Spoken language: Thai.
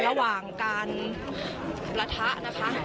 ระหว่างการประทะนะคะ